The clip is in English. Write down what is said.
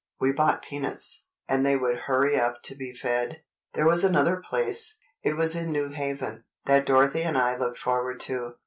We bought peanuts, and they would hurry up to be fed. "There was another place—it was in New Haven—that Dorothy and I looked forward to.